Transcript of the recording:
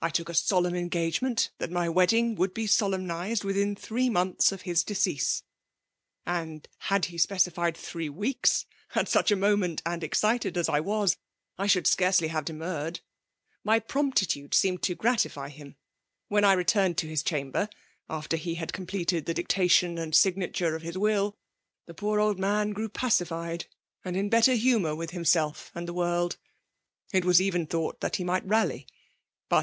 I took a solemn en gagement, that my wedding should be sokm tlized mthin three months of his decease ; and, had he specified three weeks, at such a moment; and excited as I was, I e&ould scarcely hava ^temurred. My promptitude seemed to gratify him. When I returned to Us chamber, aftica> he had completed the dictation and signature of his will, the poor old man grew pacified, and in better humour widi himself and the woridr FEHALB DOmNATION* 207 It was even thought he might rally ; but h6.